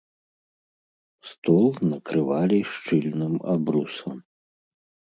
Стол накрывалі шчыльным абрусам.